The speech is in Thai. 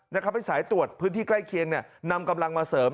ให้สายตรวจพื้นที่ใกล้เคียงนำกำลังมาเสริม